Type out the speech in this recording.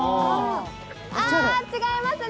あー、違いますね。